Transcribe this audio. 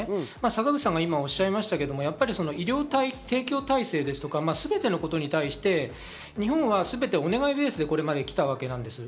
坂口さんが今おっしゃいましたけど、医療提供体制ですとか、すべてのことに対して日本はすべてお願いベースでこれまで来たわけです。